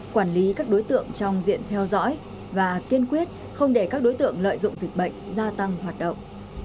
quản lý các đối tượng trong diện theo dõi và kiên quyết không để các đối tượng lợi dụng dịch bệnh gia tăng hoạt động